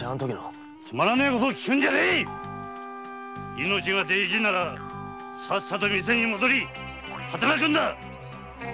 命が大事ならさっさと店に戻り働くんだ！